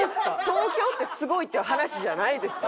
東京ってすごいっていう話じゃないです。